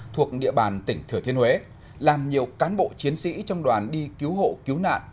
thuộc địa bàn tỉnh thừa thiên huế làm nhiều cán bộ chiến sĩ trong đoàn đi cứu hộ cứu nạn